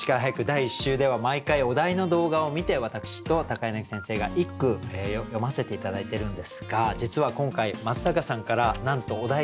第１週では毎回お題の動画を見て私と柳先生が一句詠ませて頂いてるんですが実は今回松坂さんからなんとお題動画を頂きました。